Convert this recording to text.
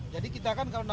jadi kita akan pairing